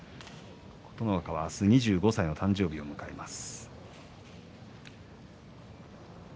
琴ノ若、明日２５歳の誕生日を迎えます。